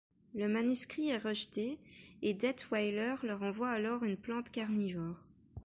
Le manuscrit est rejeté et Detweiller leur envoie alors une plante carnivore.